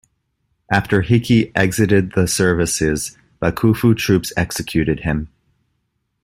After Hiki exited the services, bakufu troops executed him.